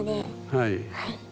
はい。